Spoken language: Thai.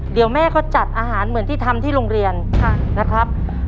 เดี๋ยวแม่เขาจัดอาหารเหมือนที่ทำที่โรงเรียนนะครับ